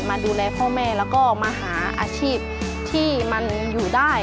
มาดูแลพ่อแม่แล้วก็มาหาอาชีพที่มันอยู่ได้